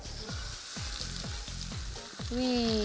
うい。